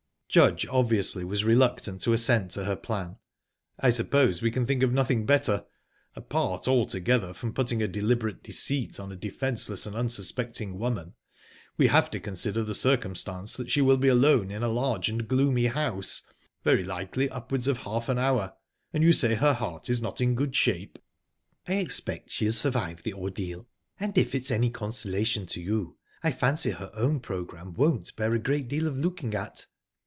Judge obviously was reluctant to assent to her plan. "I suppose we can think of nothing better. Apart altogether from putting a deliberate deceit on a defenceless and unsuspecting woman, we have to consider the circumstance that she will be alone in a large and gloomy house very likely upwards of half an hour; and you say her heart is not in good shape." "I expect she'll survive the ordeal, and if it's any consolation to you, I fancy her own programme won't bear a great deal of looking at."